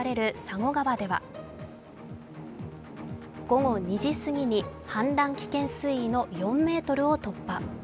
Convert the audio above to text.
午後２時すぎに氾濫危険水位の４ｍを突破。